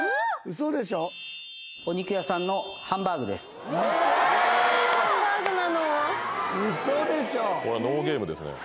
お肉屋さんのハンバーグです。